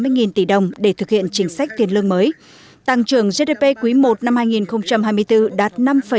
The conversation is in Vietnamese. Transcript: sáu trăm tám mươi nghìn tỷ đồng để thực hiện chính sách tiền lương mới tăng trưởng gdp quý i năm hai nghìn hai mươi bốn đạt năm sáu mươi sáu